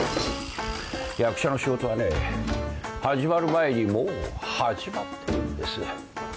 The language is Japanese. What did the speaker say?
役者の仕事はね始まる前にもう始まってるんです。